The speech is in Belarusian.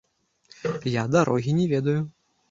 Я дарогі не ведаю.